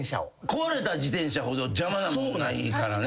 壊れた自転車ほど邪魔なものないからね。